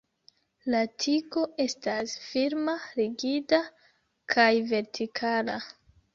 La tigo estas firma rigida kaj vertikala.